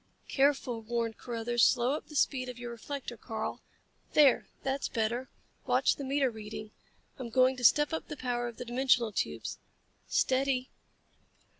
"Careful," warned Carruthers. "Slow up the speed of your reflector, Karl. There, that's better. Watch the meter reading. I'm going to step up the power of the dimensional tubes. Steady!"